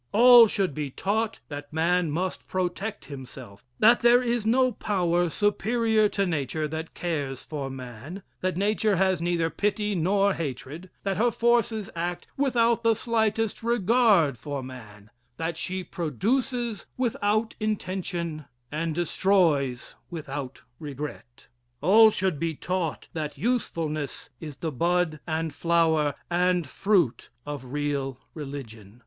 All should be taught that man must protect himself that there is no power superior to Nature that cares for man that Nature has neither pity nor hatred that her forces act without the slightest regard for man that she produces without intention and destroys without regret. All should be taught that usefulness is the bud and flower and fruit of real religion.